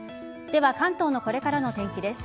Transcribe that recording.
では関東のこれからのお天気です。